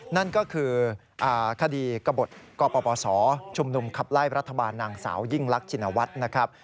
นั่นก็คือคดีกระบดกปศชุมนุมขับไล่รัฐบาลนางสาวยิ่งลักชินวัฒน์นะครับ